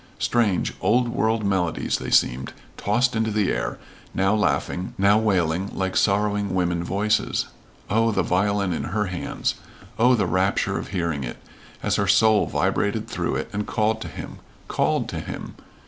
Strange, old world melodies they seemed, tossed into the air, now laughing, now wailing like sorrowing women voices. Oh, the violin in her hands! Oh, the rapture of hearing it, as her soul vibrated through it and called to him called to him!